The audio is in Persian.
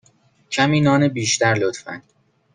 کمی نان بیشتر، لطفا.